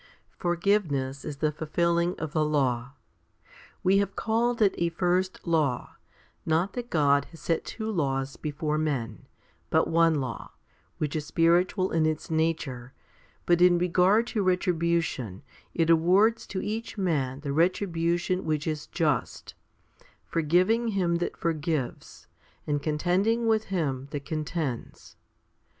Forgiveness is the fulfilling of the law. We have called it a "first law"; not that God has set two laws before men, but one law, which is spiritual in its nature, but in regard to retribution, it awards to each man the retribution which is just, forgiving him that forgives, and contending with him that contends.